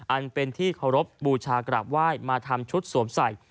อันเป็นที่เคารพบูชากราบไหว้มาทำชุดสวมใส่